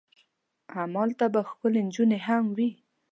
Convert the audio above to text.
همالته به ښکلې نجونې هم وي.